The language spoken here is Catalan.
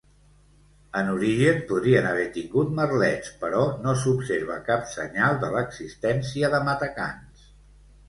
En origen podrien haver tingut merlets, però no s'observa cap senyal de l'existència de matacans.